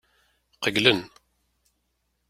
Qeyylen.